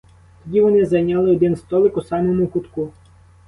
Тоді вони зайняли один столик у самому кутку.